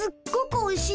おいしい！